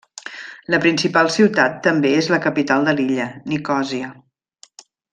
La principal ciutat també és la capital de l'illa, Nicòsia.